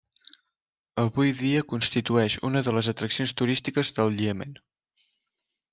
Avui dia constitueix una de les atraccions turístiques del Iemen.